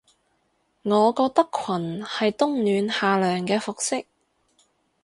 我覺得裙係冬暖夏涼嘅服飾